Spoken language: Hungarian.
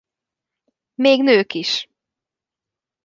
Még nők is.